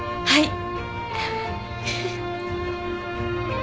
はい。